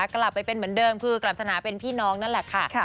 กลับไปเป็นเหมือนเดิมคือกลับสนาเป็นพี่น้องนั่นแหละค่ะ